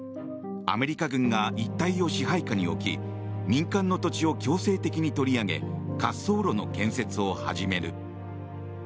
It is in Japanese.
アメリカ軍が一帯を支配下に置き民間の土地を強制的に取り上げ滑走路の建設を始める。